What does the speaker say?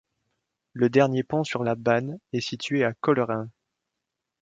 Le dernier pont sur la Bann est situé à Colerain.